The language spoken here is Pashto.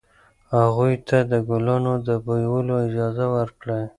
هغوی ته د ګلانو د بویولو اجازه ورکړئ.